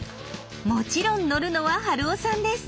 もちろん乗るのは春雄さんです。